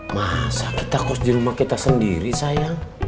masa kita kos di rumah kita sendiri sayang